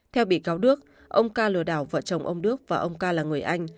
theo bị cáo đức ông ca lừa đảo vợ chồng ông đức và ông ca là người anh